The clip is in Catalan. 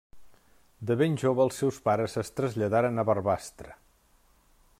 De ben jove els seus pares es traslladaren a Barbastre.